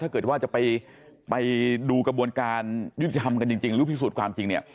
ถ้าเกิดว่าจะไปดูกระบวนการยุติธรรมกันจริงหรือพิสูจน์ความจริงเนี่ย